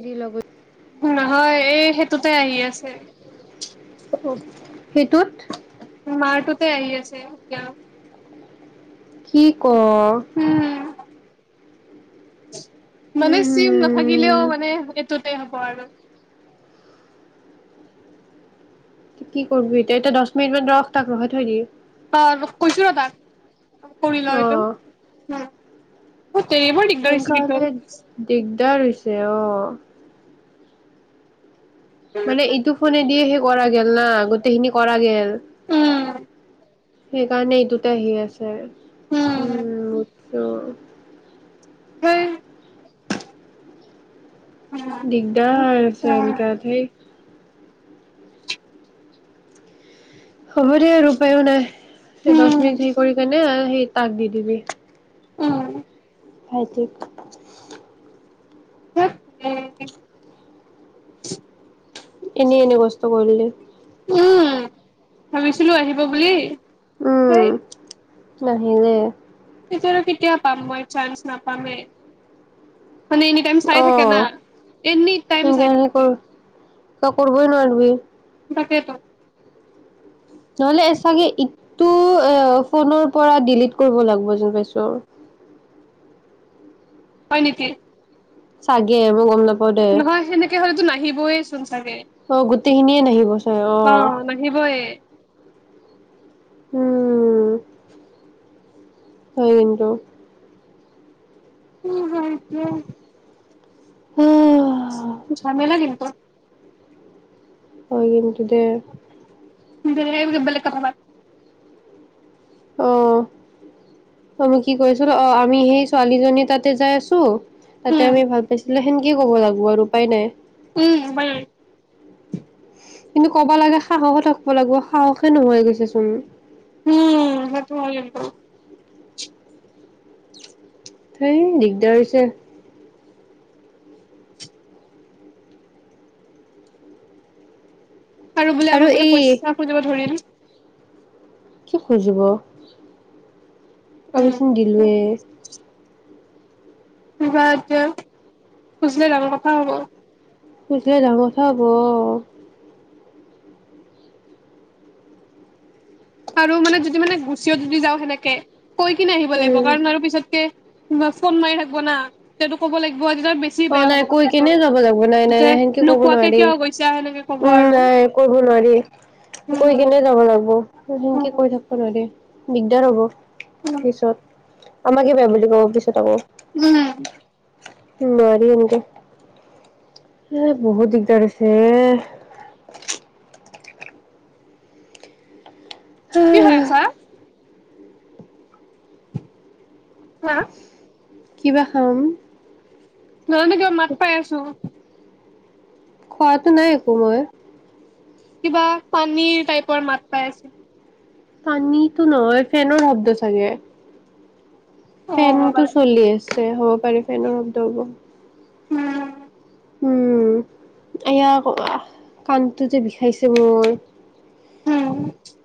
এৰি লগত নহয় এই হেত ততে আহি আছে সেইটোত মাৰটোতে আহি আছে এতিয়া কি অ' উম [inaudible] মানে উম চিম নাথাকিলেও হম মানে এইটোত সেই হ'ব আৰু কি কৰবি এতিয়া এতিয়া দহ মিনিট মান ৰখ তাক ৰখাই থৈ দিয়ে অ' ম‌ই কৈছো তাক কৰি ল অ এইটো, তাক এৰিব‌ই দিগদাৰ সেনেকা হৈছে, কিন্তু হলে দিগদাৰ হৈছে, অ মানে ইটো ফোনেদিয়ে সেই কৰা গেল ন, গোটেইখিনি কৰা গেল। উম [inaudible] সেইকাৰণে, এইটোতে আহি আছে। উম উম- অ উম- দিগদাৰ হৈ আছে, এনকাত সেই হব দে আৰু উপায়ো নাই। সেই দহ উম মিনিট সি কৰি কেনে আৰু সেই তাক দি দিবি। উম- ভাইটিক। থ [unintelligible] এনেই-এনেই কষ্ট কৰি ললি উম, ভাবিছিলো আহিব বুলি সেই উম- নাহিলে [unintelligible] তেতিয়া আৰু কেতিয়া পাম মই চান্স নাপামে। মানে এনি টাইম চাই অ থাকে না, এনি টাইম সেনেকে চাই সেনেকে কৰ থাকে। তই কৰিবই নোৱাৰিবি। তাকেতো নহলে চাগে, ইটো ফোনৰ পৰা ডিলিট কৰিব লাগিব যেন পাইছো। হয় নেকি? চাগে, মই গম নাপাওঁ। কিহৰ সেনেক [unintelligible] তেতিয়া হ'লে টো নাহিবই চোন চাগে অ, গোটেইখিনিয়ে নাহিব চোন, অ উম-উম-উম, হয় কিন্তু [unintelligible] অহ ঝামেলা কিন্তু কৰিব নেকি? যাতে [unintelligible] গলে কাপোৰ [unintelligible] অ, মই কি কয় আছো ন, অ, আমি সেই ছোৱালীজনী তাতে যাই আছো তাতে উম আমি ভাল পাইছিলো সেনকে কি ক'ব লাগিব আৰু উপায় নাই উম উপায় নাই কিন্তু ক'বা লাগে সাহসো থাকিব লাগিব সাহসে নোহোৱা হৈ গৈছে চোন উম ম সেইতো হয় কিন্ত সেই দিগদাৰ হৈছে আৰু বোলে আমাক বোলে পইচা খুজিব ধৰিল। কি খুজিব আমি উম চোন দিলোৱে কিবা এতিয়া খুজিলে ডাঙৰ কথা হ'ব খুজিলে ডাঙৰ কথা হ'ব অ' আৰু মানে যদি মানে গুচিওঁ যদি যাওঁ সেনেকৈ কৈ কিনে আহিব লাগিব উম কাৰণ আৰু পিছতকে কিবা ফোন মাৰি থাকিব না তেতিয়া তো ক'ব লাগিব তেতিয়া বেছি অ' বেয়া নাই হ'ব কৈ কথাটো কেনে যাব লাগিব নাই নাই যে নাই সেনকে কব নোকোৱাকে নোৱাৰি কিয় গৈছা সেনেকে ক'ব উম আৰু নাই ক নোৱাৰি কৈ উম কেনে যাব লাগিব সেনেকে কৰি উম থাকিব নোৱাৰি দিগদাৰ হ'ব পিছত আমাকে বেয়া বুলি কব পিছত আকৌ উম উম বেয়া দেই কিন্ত এ বহুত দিগদাৰ দিছে। কি খাই আছা হাঁ হাঁ কিবা খাম নাজানো কিবী মাত পাই আছো খোৱাতটো নাই একো মই কিবা পানীৰ টাইপৰ মাত পাই আছিলো। পানীতো নহয় ফেনৰ শব্দ চাগে অ হ'ব ফেনতটো বাৰু চলি আছে। হ'ব পাৰে ফেনৰ শব্দ হ'ব উম উম এয়া কাণটো যে বিষাইছে মোৰ উম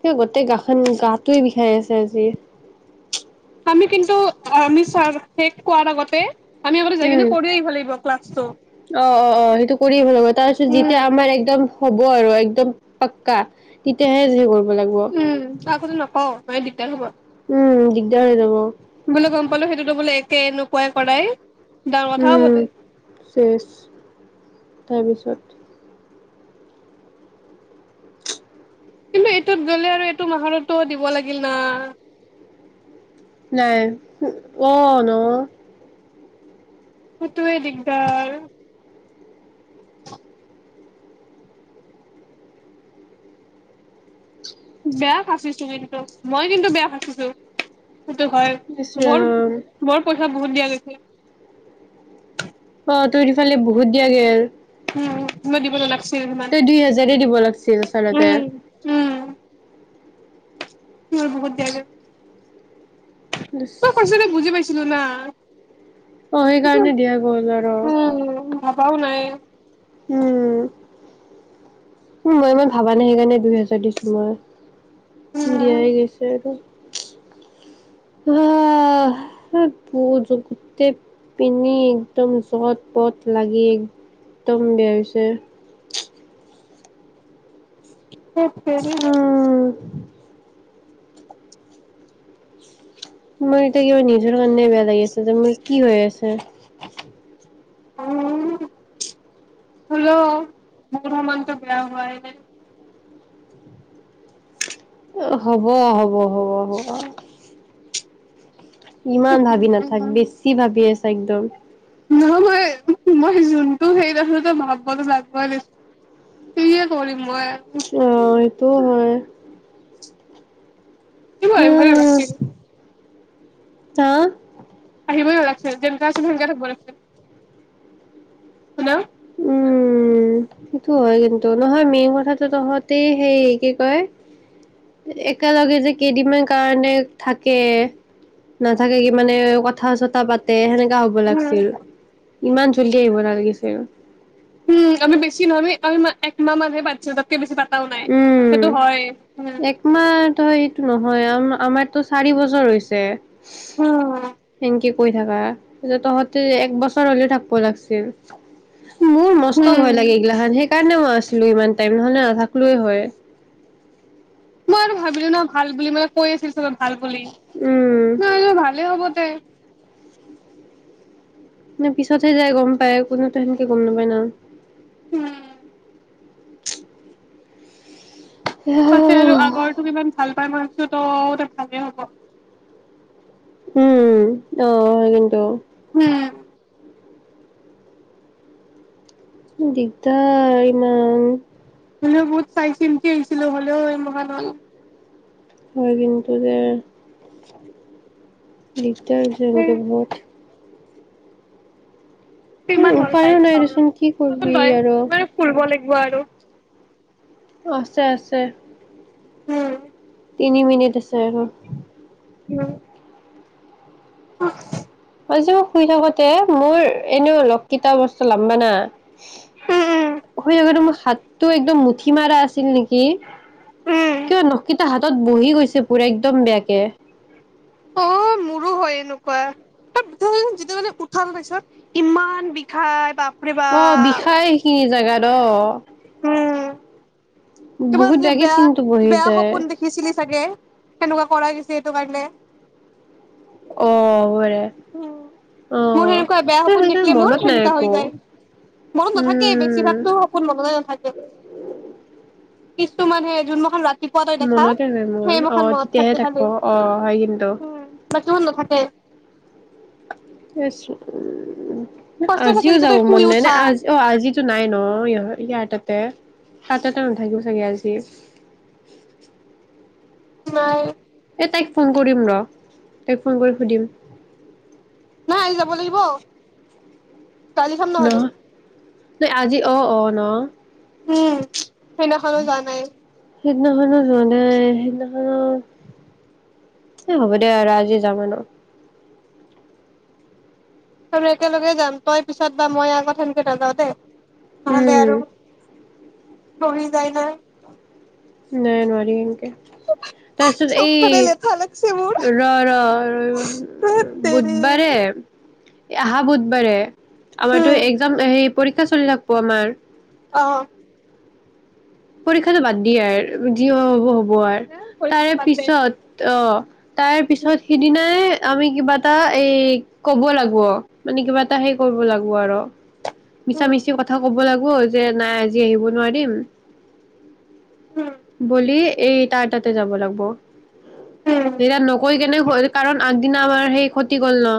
সেই গোটেই গা উম গাতোৱে বিষাই আছে আজি। আমি কিন্তু আমি শেষ কোৱাৰ আগতে আমি আগতে যাই কিনে উম কৰি আহিব লাগিব ক্লাছটো অ' অ' অ' সেইটো কৰিয়ে ভাল হ'ব তাৰপিছত যেতিয়া উম আমাৰ একদম হ'ব আৰু একদম পাক্কা তেতিয়াহে যে কৰিব লাগিব উম আগতে নকওঁ মানে দিগদাৰ হ'ব উম। দিগ দাৰ হৈ যাব। বোলে গম পালো সেইটোতো বোলে একে এনেকুৱাই কৰাই, ডাঙৰ কথা উম হবতে শেষ তাৰপিছত কিন্তু এইটোত গ'লে আৰু এইটো মাহততো দিব লাগিল না। অ ন সেইটো দিগদাৰ বেয়া ফাচিছো কিন্তু মই কিন্তু বেয়া ফাচিছো। সেইটো হয় ইচ মোৰ ৰাম মোৰ কথা বহুত দিয়া গৈছে। অ তোৰ ইফালে বহুত দিয়াগে আৰু উম মই দিব নালাগিছিল সিমান তই দুই হাজাৰ দিব লাগিছিল আচলতে। উম মই বহুত দিয়া অ তই পাইছে বুজি পাইছিলোঁ না অ সেইকাৰণে দিয়া গ'ল আৰু উম ভাবাও নাই উম উ মই মই ভাবা নাই সেইকাৰণে দুই হেজাৰ দিছো মই উম দিয়াই গৈছে আৰু আহ প গোটেই পিন্ধি একদম জত পথ লাগি একদম বেয়া হৈছে। ধেৎ তেৰি উম মোৰ এতিয়া কিবা নিজৰ কাৰণে বেয়া লাগি আছে যে মোৰ কি হৈ আছে। উ হ'ল মোৰ সমানটো বেয়া হোৱাই নাই হ'ব হ'ব হ'ব হ'ব। ইমান ভাবি নাথাক বেছি ভাবি আছোঁ। একদম। নহয় মই মই যোনটো সেইত আছোঁ তই ভাববতো লাগবই দিছো কিহে কৰিম মই, একো অ সেটো হয়। কিভৰে নাছিলোঁ। হা আহিবই নালাগিছে যেনেকা আছে তেনেক থাকিব লাগিছিল শুনা উম সেইটো হয় কিন্তু নহয় মেইন কথাটো তহঁতেই সেই কি কয় একেলগে যে কেইদিনমান কাৰণে থাকে নাথাকে কি মানে কথা চথা পাতে সেনে হ'ব উম লাগিছিল আৰু ইমান জল্দি আহিব নালাগিছিল। উম আমি বেছি নহয় আমি একমাহ মানহে পাতিছো তাতকে বেছি প উম একমাহৰ এইটো নহয় আৰু আমাৰতো চাৰি বছৰ হৈছে উম থেংকিউ কৰি থাকা তহঁতি এক বছৰ হ'লেও থাকব লাগছিল মোৰ মস্ত উম। ভয় লাগে এইগিলাখান সে সেই কাৰণে মই আছিলো ইমান টাইম নহ'লে নাথাকো লোৱে হয় মই আৰু ভাবিলো ন ভাল বুলি মানে কৈ আছিল চবে ভাল বুলি উম মই ভাবিছোঁ ভালে হ'ব দে মানে পিছতহে যায় গম পায় কোনতো সেনেকে গম নাপায় ন উম তাতে আৰু আগৰতো কিমান ভাল পাই মই ত দে ভালেই হ'ব উম অ কিন্তু উম দিগদাৰ ইমান হ'লেও বহুত চাই চিন্তি আহিছিলো হ'লেও এই মহান হ'ল হয় কিন্তু দে সেই যেনকে বহুত উম কিমান হ'ল উপায়ো টাইম নাই চাওঁ ৰ দেচোন কি চা চোন কৰিবি যি আৰু মানে ফুৰিব লাগিব নোৱাৰো আছে আছে উম তিনি মিনিট আছে আৰু উম আচ আজিও শুই থাকোতে মোৰ এনেও অলপ তিতা বস্তু লাম্বানা উম, শুই শুইটো মোৰ হাতটো একদম মুঠি মাৰা আছিল নেকি? উম, কিয়নো কেইটা হাতত বহি গৈছে পুৰা একদম বেয়াকে অ' মোৰো হয় এনেকুৱা যিটো মানে উঠাৰ পাছত ইমান বিষাই বা অ বিষাই সেইখিনি জেগাত অ উম কিবা বহুত বেয়াকে চিনটো বহি যায় ছাগে তেনেকোৱা কৰা গৈছে সেইটো কাৰণে অ হ'ব পাৰে উম মোৰ সেনেকোৱাই বেয়া এই সপোন সেইকাৰণে দেখিলে মোৰ মনত নাই সেনেকোৱা হৈ একো যায় মনত নেথাকে উম বেছিভাগতো সপোন মনতে নেথাকে কিছুমান হে যোন মখান ৰা পিপৰা তই দেখা মনতে নাই মোৰ অ সেইমখান মনত তেতিয়াহে থাকে থাকিব খালি অ হয় কিন্তু উম বাকীভোন নেথাকে ইছ উম ম কষ্ট থাকে আজিও যেতিয়া যাব তই মন শুই নাই নে উঠা আজি অ আজিতো নাই ন ইয়াৰ তাত তে সাতটাতো নথাকিব চাগে আজি নাই এই তাইক ফোন কৰিম ৰ তাইক ফোন কৰি সুধিম নাই আজি যাব লাগিব। গালি খাম নহ'লে ন আজি অ' অ' ন উম সেইনাখনো যোৱা নাই সিদিনাখনো যোৱা নাই সিদিনাখনো এ হ'ব দে আৰু আজি যাম আৰু তমি একেলগে যাম তই পিছত বা মই আকৌ সেনকে নাযাও দেই ন দে উম আৰু বহি যায় ন নাই নোৱাৰিম তাৰপিছত চবফালে লেঠা লাগছে মোৰ এই ৰ ধেত ৰ তেৰি বুধবাৰে অহা বুধবাৰে আমাৰতো উম একজাম হেই পৰীক্ষা চলি থাকব আমাৰ অ' পৰীক্ষাটো বাদ দিয়ে আৰু যি হ'ব হ'ব বোৱাৰ এ তাৰে পৰীক্ষাটো বাদ দে পিছত অহ তাৰ উম পিছত সিদিনাই আমি কিবা এটা এই কব লাগব মানে কিবা এটা হে কৰিব লাগব আৰ মিছা উম, মিছি কথা ক'ব লাগিব যে নাই আজি আহিব নোৱাৰিম। বুলি এই তাৰ টাতে যাব লাগিব এয়া নকৈ কেনে হ কাৰণ আগ দিনা আমাৰ সেই খতি গ'ল ন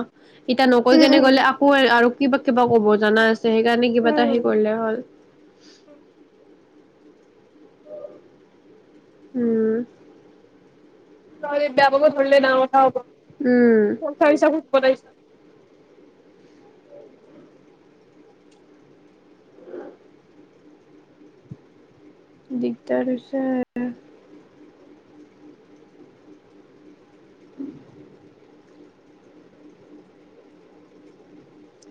এতিয়া নকৈ কেনে গলে আকৌ আৰু কিবা কিবা ক'ব জানা সেইকাৰণে কিবা এটা হে কৰিলে হ'ল উম ত বেয়াপাব ধৰি লে নহব উঠাওব উম পথ আৰিছা দিগদাৰহৈছে উম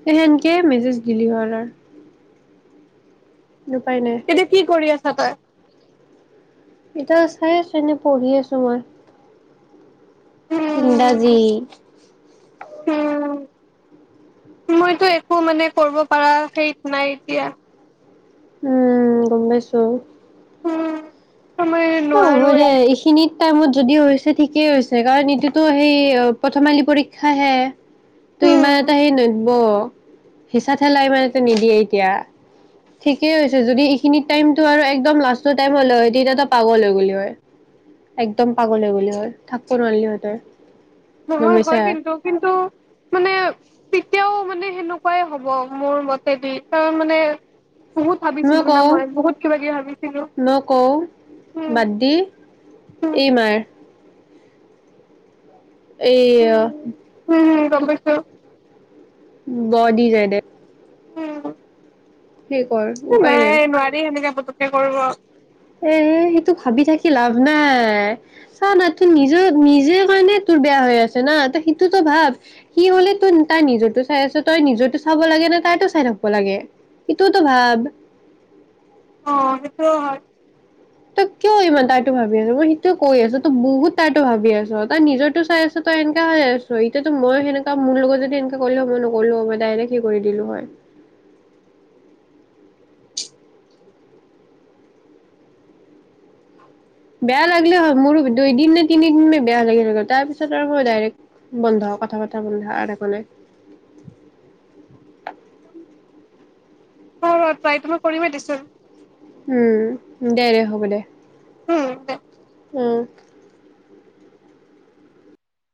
সেনকে মেছেজ দিলে হল আৰু উপায় নাই এতিয়া কি কৰি আছ সতায় [unintelligible] এতিয়া চাই আছো এনেই পঢ়ি আছো মই ইংৰাজী মইতো একো মানে কৰিব পাৰা সেইত নাই এতিয়া উম গম পাইছো উম অ হ'ব দে এইখিনিত টাইমত যদি হৈছে ঠিকেই হৈছে কাৰণ ইটোতো সেই প্ৰথম মাহিলী পৰীক্ষা হে তই ইমান উম, এটা হৈ নেদি হিচা ঠেলাই মান নিদিয়ে এতিয়া ঠিকেই হৈছে যদি এইখিনি টাইমতটো আৰু একদম লাষ্টৰ টাইম হলে হয় তেতিয়া পাগল হৈ গ'লি হয় একদম পাগল গ'লি হয় থাকিব নোৱাৰিলি হয় তই গম নহয় পাইছা হয় কিন্তু কিন্তু মানে তেতিয়াও মানে সেনেকুৱাই হ'ব মোৰ মতেদি তই মানে বহুত মই ভাবিছিলো না কওঁ বহুত কিবা কিবি ভাবিছিলো মই কওঁ উম, বাদ দি এই উম। মাৰ এয়াই গমপাইছে বৰ দি যাই দে [unintelligible] উম সেই কৰ উপায় নাই নোৱাৰি সেনেকা এ সেইটো ভাবি থাকি কি লাভ নাই চানা তোৰ নিজৰ নিজে কাৰণে তোৰ বেয়া হৈ আছে না ত সিটোতো ভাব সি হলে তোৰ তাৰ নিজৰ চাই আছে তই নিজৰটো চাব লাগে নে তাইতো চাই থাকিব লাগে সেইটোওতো ভাব। অ সেইটো হয় তই কিয় ইমান তাৰতো ভাবি আছো মই সেইটোোৱে কৈ আছো তই বহুত তাৰো ভাবি আছ তাৰ নিজৰটো চাই আছে তই এনেকা হৈ আছ এতিয়া মই সেনেকা মোৰ লগত যদি সেনেকা কৰলে মই নকলো মই ডাইৰেক্ট কই দিলো হয় বেয়া লাগিলে হল মোৰো দুইদিন নে তিনিদিন বেয়া লাগিলে গল তাৰ পিছত আৰু মই ডাইৰেক্ট বন্ধ কথা পতা বন্ধা আৰু একোনাই অ পাই পিনে কৰি দিছো। উম দে দে হ'ব দে উম দে উম